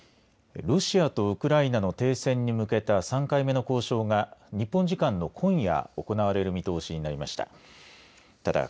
ロシアとウクライナの停戦に向けた３回目の交渉が日本時間の今夜行われる見通しになりました。